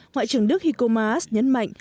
ngoại trưởng đức heiko maas nhấn mạnh